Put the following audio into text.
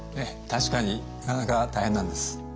ええ確かになかなか大変なんです。